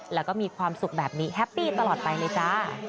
แล้วก็มีความสุขแบบนี้แฮปปี้ตลอดไปเลยจ้า